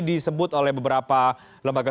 disebut oleh beberapa lembaga